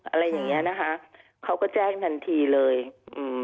อะไรอย่างเงี้ยนะคะเขาก็แจ้งทันทีเลยอืม